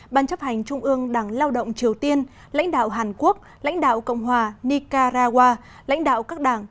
ban chấp hành trung ương đảng lao động triều tiên lãnh đạo hàn quốc lãnh đạo cộng hòa nicaragua lãnh đạo các đảng